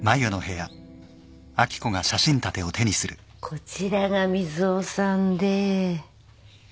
こちらが水尾さんで。